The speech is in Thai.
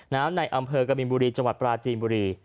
ในอำเภอกบินบุรีจังหวัดปราจีนบุรี